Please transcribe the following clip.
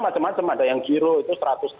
macam macam ada yang giro itu